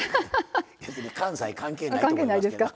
関西関係ないと思いますけど。